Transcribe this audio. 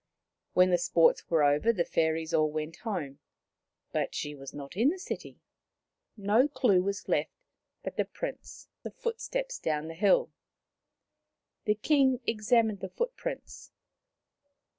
When the sports were over the fairies all went home, but she was not in the city. No clue was left but the prints of footsteps down the hill. The King examined the footprints.